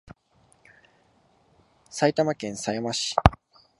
埼玉県狭山市